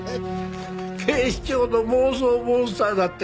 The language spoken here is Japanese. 警視庁の妄想モンスターだって！